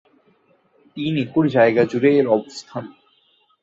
তিন একর জায়গা জুড়ে এর অবস্থান।